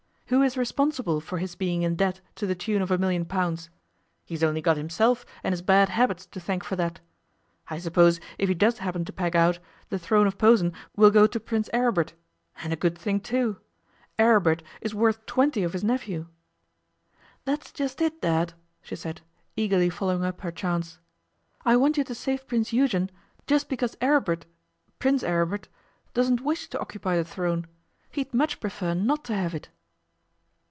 Who is responsible for his being in debt to the tune of a million pounds? He's only got himself and his bad habits to thank for that. I suppose if he does happen to peg out, the throne of Posen will go to Prince Aribert. And a good thing, too! Aribert is worth twenty of his nephew.' 'That's just it, Dad,' she said, eagerly following up her chance. 'I want you to save Prince Eugen just because Aribert Prince Aribert doesn't wish to occupy the throne. He'd much prefer not to have it.